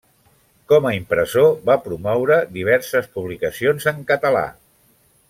Com a impressor va promoure diverses publicacions en català.